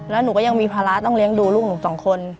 แล้วหนูก็ยังมีภาระต้องเลี้ยงดูลูกหนูสองคน